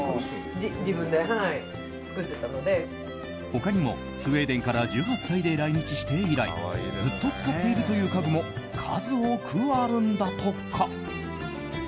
他にもスウェーデンから１８歳で来日して以来ずっと使っているという家具も数多くあるんだとか。